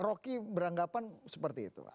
roky beranggapan seperti itu